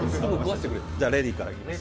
じゃ、レディーからいきます。